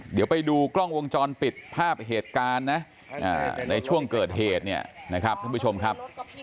เดี๋ยวไปดูกล้องวงจรปิดภาพเหตุการณ์นะในช่วงเกิดเหตุเนี่ยนะครับท่านผู้ชมครับ